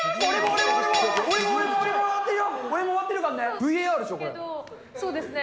俺も終わってるかんね。